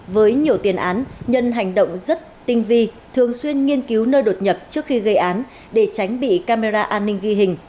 với nhiều tiền án nhân hành động rất tinh vi thường xuyên nghiên cứu nơi đột nhập trước khi gây án để tránh bị camera an ninh ghi hình